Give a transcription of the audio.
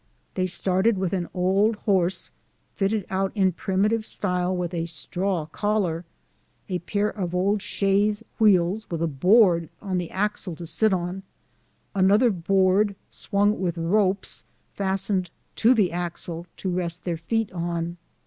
They started with an old horse, fitted out in primitive style with a straw collar, a pair of old chaise wheels, with a board on the axle to sit on, another board swung with ropes, fastened to the axle, to rest their feet on.